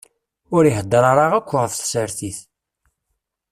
Ur iheddeṛ ara akk ɣef tsertit.